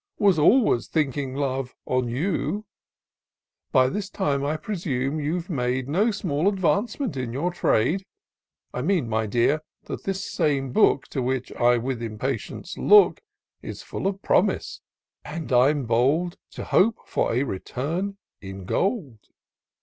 Was always thinkiug, Love, on you. Q i 114 TOUR OF DOCTOR SYNTAX By this time, I presume, you've made No small advancement in your trade : I mean, my dear, that this same book, To which I with impatience look. Is Ml of promise; and I'm bold To hope for a return in gold.